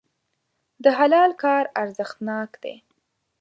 د حلال کار ارزښتناک دی.